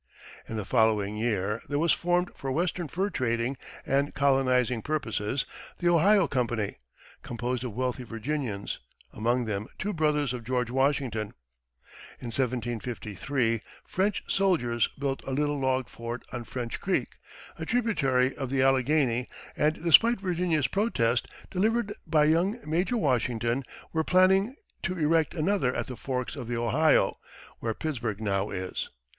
In the following year there was formed for Western fur trading and colonizing purposes, the Ohio Company, composed of wealthy Virginians, among them two brothers of George Washington. In 1753 French soldiers built a little log fort on French Creek, a tributary of the Alleghany; and, despite Virginia's protest, delivered by young Major Washington, were planning to erect another at the forks of the Ohio, where Pittsburg now is.